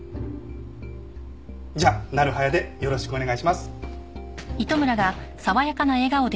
じゃあなる早でよろしくお願いします。